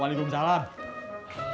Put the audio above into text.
masih ga ada barang